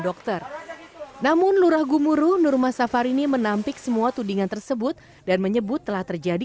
dokter namun lurah gumuru nurma safarini menampik semua tudingan tersebut dan menyebut telah terjadi